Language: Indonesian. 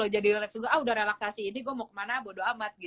jadi relax juga ah udah relaksasi ini gue mau kemana bodo amat